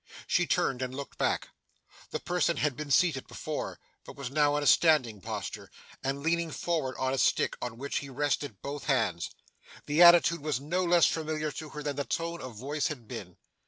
She turned, and looked back. The person had been seated before, but was now in a standing posture, and leaning forward on a stick on which he rested both hands. The attitude was no less familiar to her than the tone of voice had been.